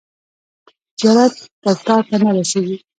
زیارت تر تاته نه رسیږي.